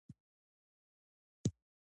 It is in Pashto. هدف او منابع د مدیریت مهم عناصر دي.